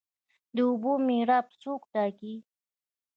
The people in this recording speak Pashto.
د اوبو میراب څوک ټاکي؟